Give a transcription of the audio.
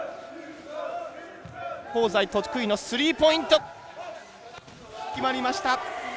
香西、得意のスリーポイント決まりました。